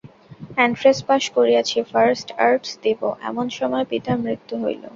Entrance pass করিয়াছি, first arts দিব, এমন সময় পিতার মৃত্যু হইল।